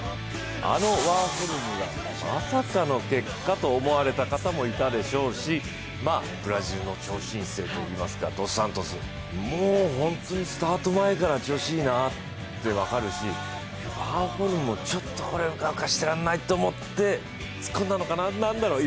あのワーホルムがまさかの結果と思われた方もいたでしょうしまあ、ブラジルの超新星といいますか、ドス・サントス、もう本当にスタート前から調子いいなって分かるし、ワーホルムもちょっとこれはうかうかしてられないと思って突っ込んだのかなとかなんなんだろう